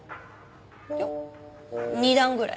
いや２段ぐらい。